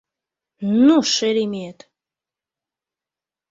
Ну, шеремет!